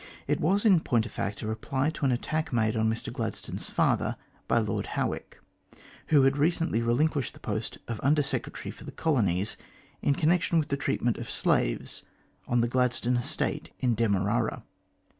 It was, in point of fact, a reply to an attack made on Mr Gladstone's father by Lord Howick, who had recently relinquished the post of Under Secretary for the Colonies, in connection with the treatment of the slaves on the Glad stone estate in Demerara.